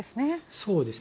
そうですね。